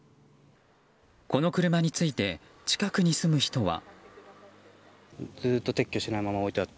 この車について近くに住む人は。